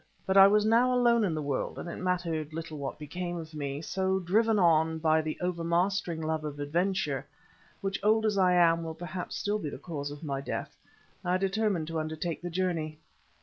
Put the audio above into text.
But I was now alone in the world, and it mattered little what became of me; so, driven on by the overmastering love of adventure, which, old as I am, will perhaps still be the cause of my death, I determined to undertake the journey.